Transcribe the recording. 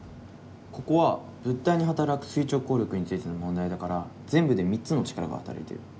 ここは物体に働く垂直抗力についての問題だから全部で３つの力が働いてる。